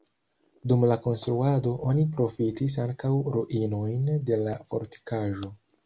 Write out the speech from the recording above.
Dum la konstruado oni profitis ankaŭ ruinojn de la fortikaĵo.